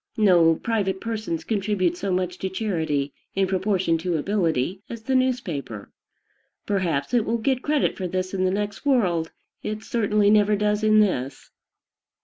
No private persons contribute so much to charity, in proportion to ability, as the newspaper. Perhaps it will get credit for this in the next world: it certainly never does in this.